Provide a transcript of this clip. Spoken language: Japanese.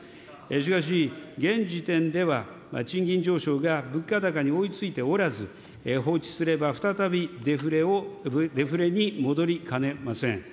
しかし現時点では、賃金上昇が物価高に追いついておらず、放置すれば再びデフレに戻りかねません。